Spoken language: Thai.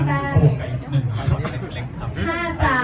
เดี๋ยวเชฟเขินไหมค่ะ